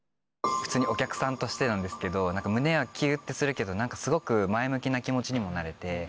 普通にお客さんとしてなんですけど胸はキュってするけど何かすごく前向きな気持ちにもなれて。